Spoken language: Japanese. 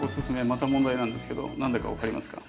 また問題なんですけど何だか分かりますか？